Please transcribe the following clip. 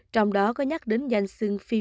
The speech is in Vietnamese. trong đó có nhắc đến danh xương phi phi